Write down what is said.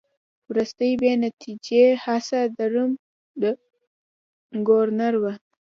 وروستۍ بې نتیجې هڅه د روم د ګورنر وه.